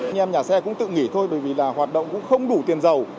nhà xe cũng tự nghỉ thôi bởi vì hoạt động cũng không đủ tiền giàu